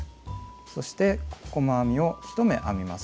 そして細編みを１目編みます。